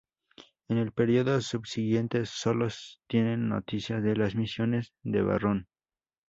En el período subsiguiente solo se tienen noticias de las misiones de Varrón.